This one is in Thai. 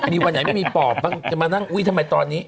มีวันไหนไม่มีปอบบ้างจะมานั่งอุ๊ยทำไมตอนนี้